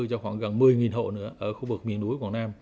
cho khoảng gần một mươi hộ nữa ở khu vực miền núi quảng nam